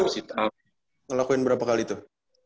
setiap hari lo ngelakuin berapa kali tuh